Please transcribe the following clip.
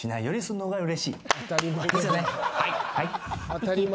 当たり前。